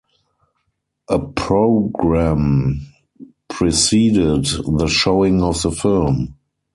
A program preceded the showing of the film.